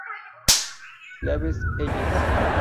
Leaves' Eyes.